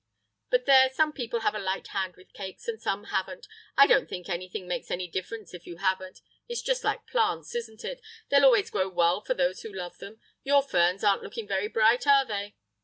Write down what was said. But there, some people have a light hand with cakes, and some haven't. I don't think anything makes any difference if you haven't. It's just like plants, isn't it—they always grow well for those who love them. Your ferns aren't looking very bright, are they?...